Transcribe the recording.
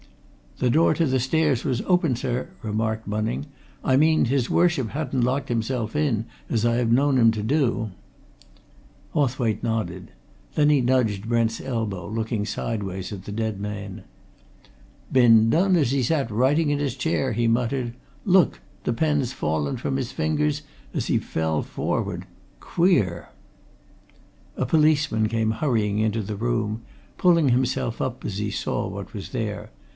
"The door to the stairs was open, sir," remarked Bunning. "I mean his Worship hadn't locked himself in, as I have known him do." Hawthwaite nodded. Then he nudged Brent's elbow, looking sideways at the dead man. "Been done as he sat writing in his chair," he muttered. "Look the pen's fallen from his fingers as he fell forward. Queer!" A policeman came hurrying into the room, pulling himself up as he saw what was there.